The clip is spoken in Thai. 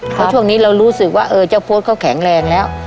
เพราะช่วงนี้เรารู้สึกว่าเออเจ้าโพสต์เขาแข็งแรงแล้ว